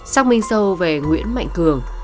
xác minh sâu về nguyễn mạnh cường